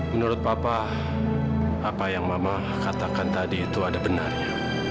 menurut papa apa yang mama katakan tadi itu ada benarnya